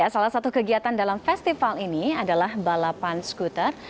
salah satu kegiatan dalam festival ini adalah balapan skuter